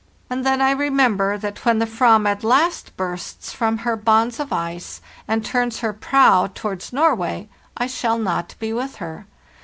"And then I remember that when the /vam at last bursts from her bonds of ice, and turns her prow tow ards Norway, I shall not be with her.